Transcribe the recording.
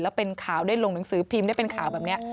แล้วเป็นข่าวได้ลงหนังสือพิมพ์ได้เป็นข่าวแบบนี้